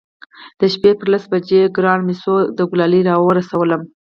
د شپې پر لسو بجو ګران مسعود ګلالي راورسولم.